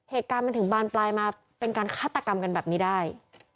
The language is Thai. เหตุการณ์มันถึงบานปลายมาเป็นการฆาตกรรมกันแบบนี้ได้